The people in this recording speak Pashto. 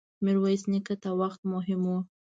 ميرويس نيکه ته وخت مهم و.